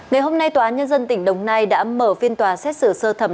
ngày hôm nay tòa án nhân dân tỉnh đồng nai đã mở phiên tòa xét xử sơ thẩm